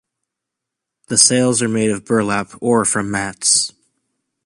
The sails are made of burlap or from mats.